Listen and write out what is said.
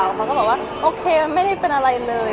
เขาก็บอกว่าโอเคไม่ได้เป็นอะไรเลย